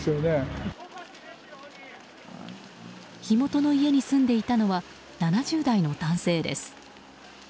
火元の家に住んでいたのは７０代の男性です。